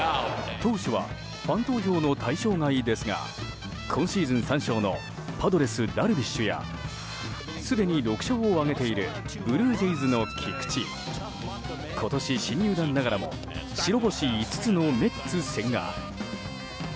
投手はファン投票の対象外ですが今シーズン３勝のパドレス、ダルビッシュやすでに６勝を挙げているブルージェイズの菊池今年新入団ながらも白星５つのメッツ、千賀。